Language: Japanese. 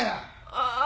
ああ。